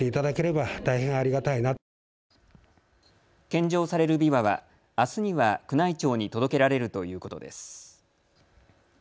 献上されるびわはあすには宮内庁に届けられるということです。